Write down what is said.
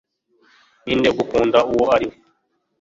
ninde ugukunda uwo uriwe